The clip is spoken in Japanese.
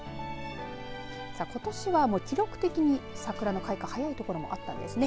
ことしは記録的に桜の開花が早い所もあったんですね。